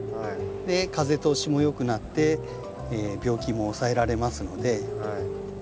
風通しもよくなって病気も抑えられますので。